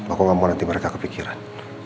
aku gak mau nanti mereka kepikiran